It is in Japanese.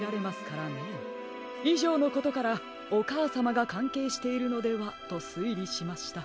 いじょうのことからおかあさまがかんけいしているのではとすいりしました。